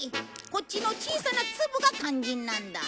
こっちの小さな粒が肝心なんだ。